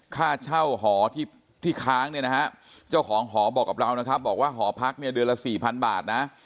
ค่าเช่าหอที่ค้างเนี่ยนะฮะเจ้าของหอบอกกับเรานะครับบอกว่าหอพักเนี่ยเดือนละ๔๐๐บาทนะ